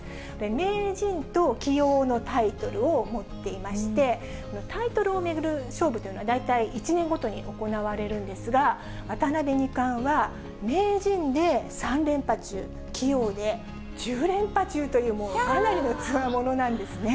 名人と棋王のタイトルを持っていまして、タイトルを巡る勝負というのは大体１年ごとに行われるんですが、渡辺二冠は、名人で３連覇中、棋王で１０連覇中という、かなりのつわものなんですね。